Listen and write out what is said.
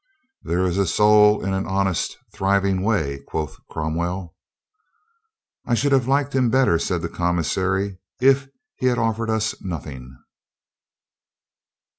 "There is a soul in an honest, thriving way," quoth Cromwell. "I should have liked him better," said the com missary, "if he had offered us nothing."